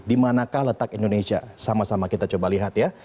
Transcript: dimanakah letak indonesia sama sama kita coba lihat ya